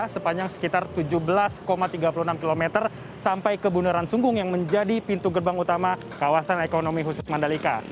sepanjang sekitar tujuh belas tiga puluh enam km sampai ke bundaran sunggung yang menjadi pintu gerbang utama kawasan ekonomi khusus mandalika